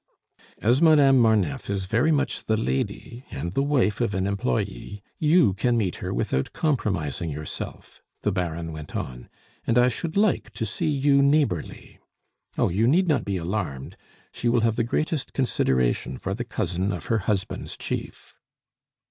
"As Madame Marneffe is very much the lady, and the wife of an employe, you can meet her without compromising yourself," the Baron went on, "and I should like to see you neighborly. Oh! you need not be alarmed; she will have the greatest consideration for the cousin of her husband's chief."